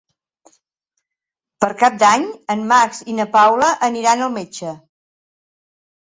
Per Cap d'Any en Max i na Paula aniran al metge.